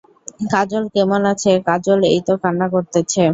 কাজল কেমন আছে কাজল এই তো কান্না করতেছে।